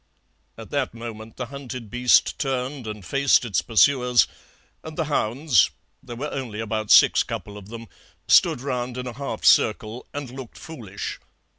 "At that moment the hunted beast turned and faced its pursuers, and the hounds (there were only about six couple of them) stood round in a half circle and looked foolish.